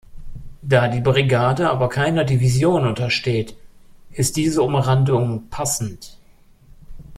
Da die Brigade aber keiner Division untersteht, ist diese Umrandung „passend“.